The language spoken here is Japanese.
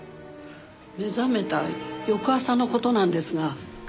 目覚めた翌朝の事なんですが。